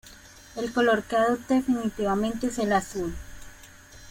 El color que adopta definitivamente es el azul.